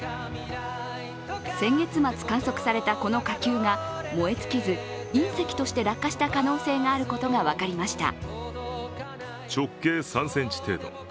先月末観測されたこの火球が燃え尽きず、隕石として落下した可能性があることが分かりました。